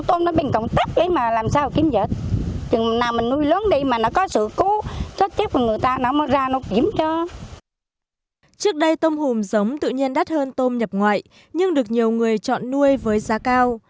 trước đây tôm hùm giống tự nhiên đắt hơn tôm nhập ngoại nhưng được nhiều người chọn nuôi với giá cao